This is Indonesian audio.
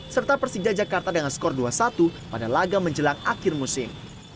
serta persija jakarta dengan skor dua satu pada laga menjelang akhir musim